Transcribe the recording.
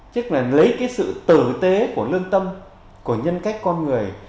chức là lấy cái sự tử tế của lương tâm của nhân cách con người